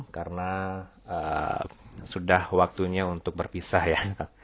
karena sudah waktunya untuk berpisah ya